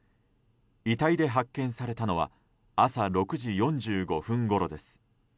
遺体で発見されたのは朝６時４５分ごろです。